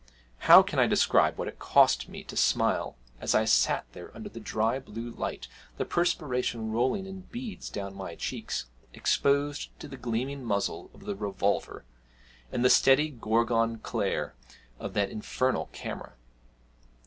How can I describe what it cost me to smile, as I sat there under the dry blue light, the perspiration rolling in beads down my cheeks, exposed to the gleaming muzzle of the revolver, and the steady Gorgon glare of that infernal camera?